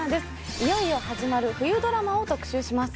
いよいよ始まる冬ドラマを特集します